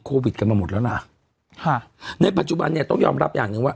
โควิดกันมาหมดแล้วล่ะค่ะในปัจจุบันเนี่ยต้องยอมรับอย่างหนึ่งว่า